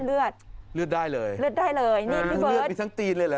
เลือดเลือดได้เลยเลือดได้เลยนี่คือเลือดมีทั้งตีนเลยเหรอ